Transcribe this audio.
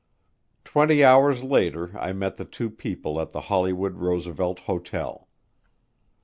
Twenty hours later I met the two people at the Hollywood Roosevelt Hotel.